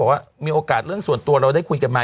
ว่ามีโอกาสเรื่องส่วนตัวเราได้คุยกันไหม